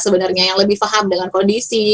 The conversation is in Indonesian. sebenarnya yang lebih paham dengan kondisi